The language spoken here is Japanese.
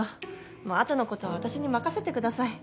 もう後のことは私に任せてください。